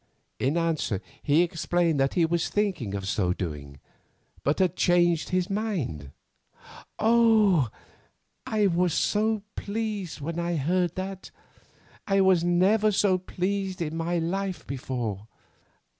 In answer he explained that he was thinking of so doing, but had changed his mind. Oh! I was pleased when I heard that. I was never so pleased in my life before.